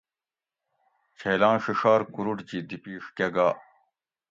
چھیلان ڛڛار کُروٹجی دی پیڛ کہۤ گا